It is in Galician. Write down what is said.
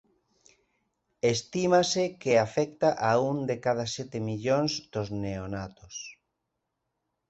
Estímase que afecta a un de cada sete millóns dos neonatos.